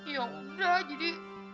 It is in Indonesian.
ya udah jadi